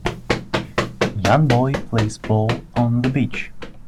Young boy plays ball on the beach.